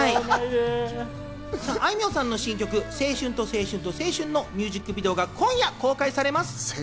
あいみょんさんの新曲『青春と青春と青春』のミュージックビデオが今夜公開されます。